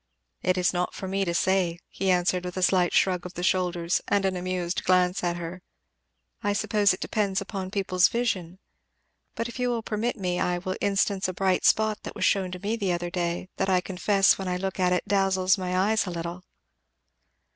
"It is not for me to say," he answered with a slight shrug of the shoulders and an amused glance at her; "I suppose it depends upon people's vision, but if you will permit me, I will instance a bright spot that was shewn to me the other day, that I confess, when I look at it, dazzles my eyes a little."